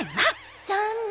残念。